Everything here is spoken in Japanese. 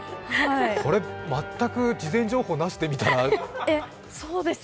これ、全く事前情報なしで見たら。